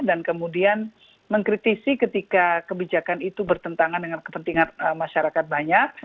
dan kemudian mengkritisi ketika kebijakan itu bertentangan dengan kepentingan masyarakat banyak